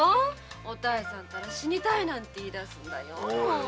お妙さんたら死にたいなんて言い出すんだよ。